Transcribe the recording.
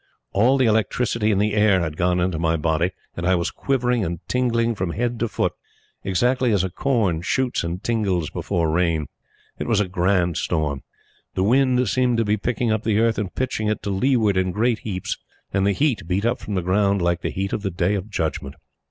All the electricity in the air had gone into my body and I was quivering and tingling from head to foot exactly as a corn shoots and tingles before rain. It was a grand storm. The wind seemed to be picking up the earth and pitching it to leeward in great heaps; and the heat beat up from the ground like the heat of the Day of Judgment.